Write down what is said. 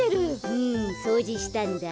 うんそうじしたんだ。